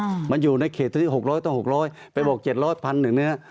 อืมมันอยู่ในเขตตอนนี้หกร้อยต้องหกร้อยไปบอกเจ็ดร้อยพันหนึ่งเนี้ย